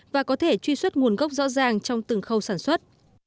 và có thể truy xuất nguồn gốc rõ ràng trong từng khâu sản xuất